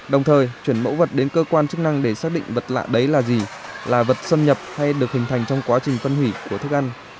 đồng thời chuyển mẫu vật đến cơ quan chức năng để xác định vật lạ đấy là gì là vật xâm nhập hay được hình thành trong quá trình phân hủy của thức ăn